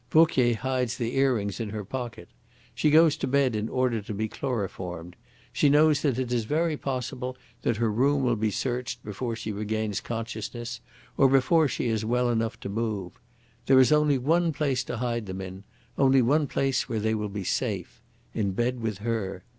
Vauquier hides the earrings in her pocket. She goes to bed in order to be chloroformed. She knows that it is very possible that her room will be searched before she regains consciousness, or before she is well enough to move. There is only one place to hide them in, only one place where they will be safe. In bed with her.